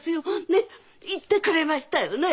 ねっ言ってくれましたよね？